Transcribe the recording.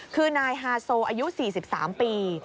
คือนายฮาโซอายุ๔๓ปี